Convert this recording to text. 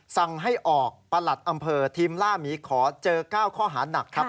สั่งให้ออกประหลัดอำเภอทีมล่าหมีขอเจอ๙ข้อหานักครับ